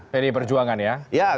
pdi perjuangan ya